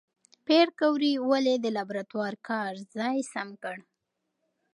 پېیر کوري ولې د لابراتوار کار ځای سم کړ؟